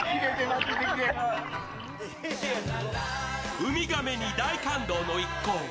ウミガメに大感動の一行。